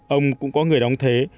ông cũng có người đóng thế